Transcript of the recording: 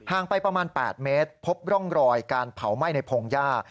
ไปประมาณ๘เมตรพบร่องรอยการเผาไหม้ในพงหญ้า